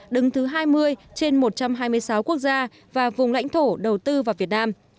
đứng thứ hai mươi trên một trăm hai mươi sáu quốc gia và vùng lãnh thổ đầu tư vào việt nam